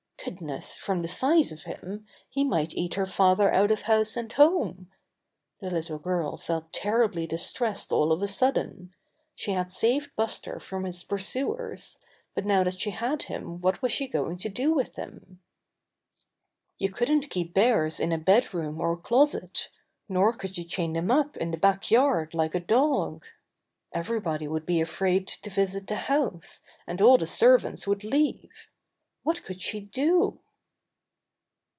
Goodness, from the size of him, he might eat her father out of house and home! The little girl felt terribly distressed all of a sudden. She had saved Buster from his pur suers, but now that she had him what was she going to do with him? 114 Buster the Bear You couldn't keep bears in a bed room or closet, nor could you chain them up in the back yard like a dog? Everybody would be afraid to visit the house, and all the servants would leave. What could she do?